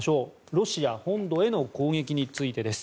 ロシア本土への攻撃についてです。